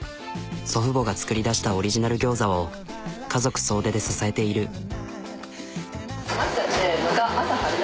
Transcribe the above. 祖父母が作り出したオリジナル餃子を家族総出で支えている。